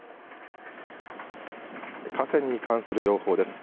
河川に関する情報です。